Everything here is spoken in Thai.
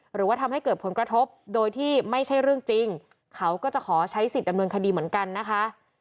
หรือว่าทำให้เกิดผลกระทบโดยที่ไม่ใช่เรื่องจริงเขาก็จะขอใช้สิทธิ์ดำเนินคดีเหมือนกันนะคะ